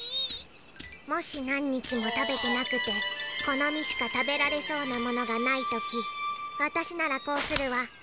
もしなんにちもたべてなくてこのみしかたべられそうなものがないときわたしならこうするわ。